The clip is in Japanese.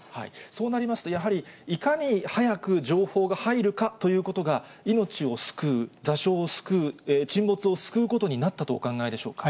そうなりますと、やはりいかに早く情報が入るかということが、命を救う、座礁を救う、沈没を救うことになったとお考えでしょうか。